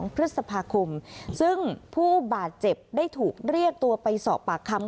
พฤษภาคมซึ่งผู้บาดเจ็บได้ถูกเรียกตัวไปสอบปากคำ